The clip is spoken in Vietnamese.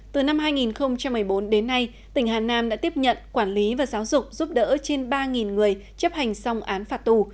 từ năm hai nghìn một mươi bốn đến nay tỉnh hà nam đã tiếp nhận quản lý và giáo dục giúp đỡ trên ba người chấp hành xong án phạt tù